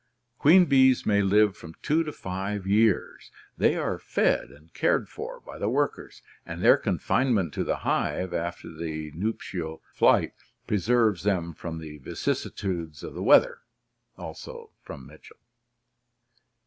Queen bees may live from two to five years; they are fed and cared for by the workers, and their confinement to the hive after the nuptial flight preserves them from the vicissitudes of the weather" (Mitchell).